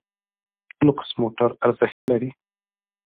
لوکس موټر ارزښت لري.